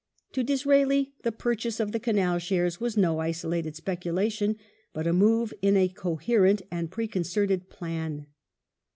To Disraeli the purchase of the Canal shares was no isolated speculation, but a move in a coherent and preconcerted plan.